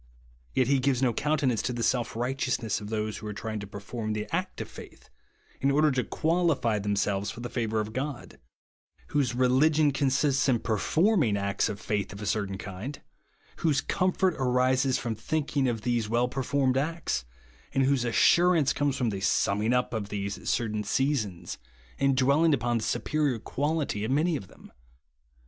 Yet he gives no countenance to the self righteous ness of those who are trying to perform the act of faith, in order to qualify themselves for the favour of God ; whose religion con sists in performing acts of faith of a certain kind ; whose comfort arises from thinking of these well performed acts ; and whose assurance comes from the summing up of these at certain seasons, and dwelling BELIEVE AND BE SATED. 107 upon the superior quality of many of them.